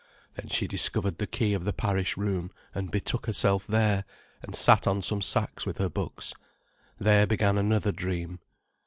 Then she discovered the key of the parish room, and betook herself there, and sat on some sacks with her books. There began another dream.